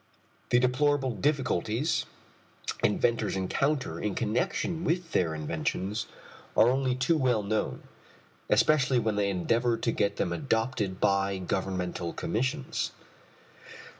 The deplorable difficulties inventors encounter in connection with their inventions are only too well known, especially when they endeavor to get them adopted by governmental commissions.